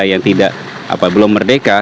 yang tidak apa belum merdeka